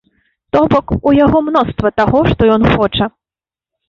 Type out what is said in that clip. То бок, у яго мноства таго, што ён хоча.